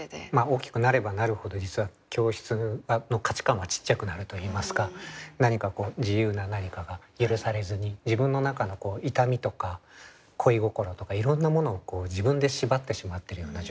大きくなればなるほど実は教室の価値観はちっちゃくなるといいますか自由な何かが許されずに自分の中の痛みとか恋心とかいろんなものを自分で縛ってしまっているような状態というか。